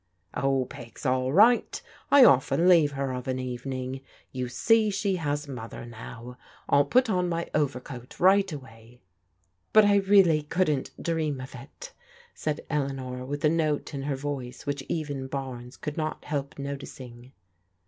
'*" Oh, Peg's all right. I often leave her of an evening. You see she has Mother now. I'll put on my overcoat right away." " But I really couldn't dream of it," said Eleanor with a note in her voice whicTi even Barnes could not help noticing.